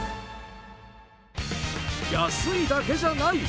安いだけじゃない！